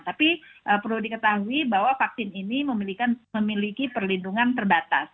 tapi perlu diketahui bahwa vaksin ini memiliki perlindungan terbatas